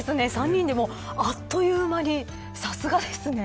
３人であっという間にさすがですね。